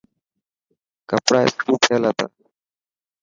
ڪپڙا استري ٿيل هتا.